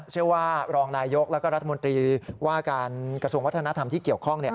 เชื่อว่ารองนายกแล้วก็รัฐมนตรีว่าการกระทรวงวัฒนธรรมที่เกี่ยวข้อง